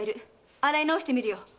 洗い直してみるよ。